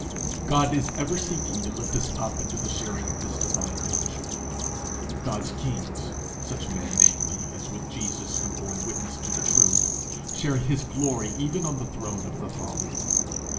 God is ever seeking to lift us up into the sharing of his divine nature; God's kings, such men, namely, as with Jesus have borne witness to the truth, share his glory even on the throne of the Father.